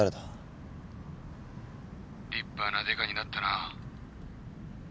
☎立派なデカになったなぁ。